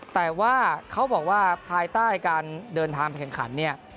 แต่ว่าเขาบอกว่าภายใต้การเดินทางไปแข่งขันเนี่ย